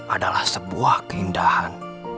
adalah sebuah keindahan